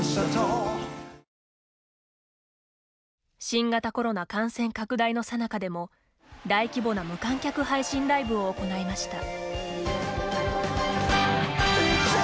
新型コロナ感染拡大のさなかでも、大規模な無観客配信ライブを行いました。